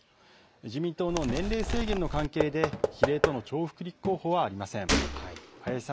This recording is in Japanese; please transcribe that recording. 自民党の年齢制限の関係で比例との重複立候補はありません。